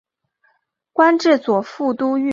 官至左副都御史。